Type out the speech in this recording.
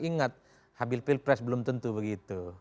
ingat habil pilpres belum tentu begitu